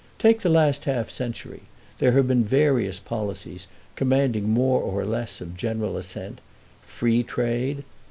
Take the last half century. There have been various policies, commanding more or less of general assent; free trade